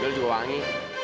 dekil juga wangi